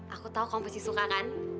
aku tahu kamu pasti suka kan